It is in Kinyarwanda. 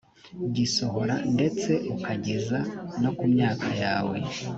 gisohora ndetse ukageza no ku myaka yawe